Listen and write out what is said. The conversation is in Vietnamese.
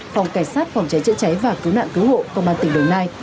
phòng cảnh sát phòng cháy chữa cháy và cứu nạn cứu hộ công an tỉnh đồng nai